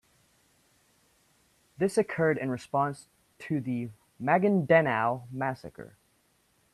This occurred in response to the Maguindanao massacre.